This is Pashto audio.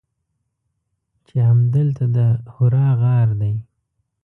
چې همدلته د حرا غار دی.